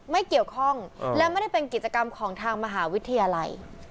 ไม่เกี่ยวข้องและไม่ได้เป็นกิจกรรมของทางมหาวิทยาลัย